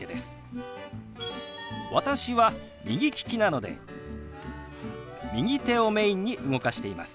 私は右利きなので右手をメインに動かしています。